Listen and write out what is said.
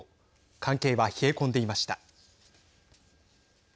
関係は冷え込んでいました。